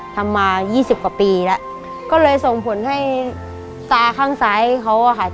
ทำมายี่สิบกว่าปีแล้วก็เลยส่งผลให้ตาข้างซ้ายเขาอะค่ะ